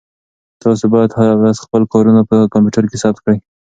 تاسو باید هره ورځ خپل کارونه په کمپیوټر کې ثبت کړئ.